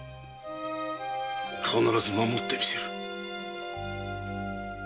必ず守ってみせる。